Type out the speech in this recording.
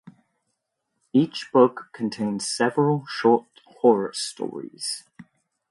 Each book contains several short horror stories.